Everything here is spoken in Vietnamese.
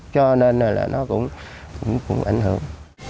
cho nên là nó cũng ảnh hưởng